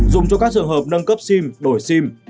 dùng cho các trường hợp nâng cấp sim đổi sim